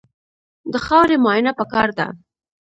د خاورې معاینه پکار ده.